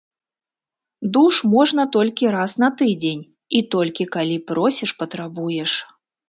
Душ можна толькі раз на тыдзень і толькі калі просіш-патрабуеш.